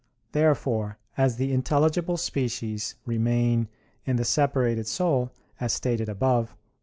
Therefore as the intelligible species remain in the separated soul, as stated above (A.